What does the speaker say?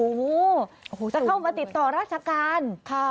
โอ้โหจะเข้ามาติดต่อราชการ